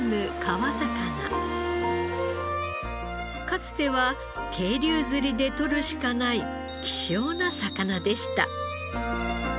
かつては渓流釣りで取るしかない希少な魚でした。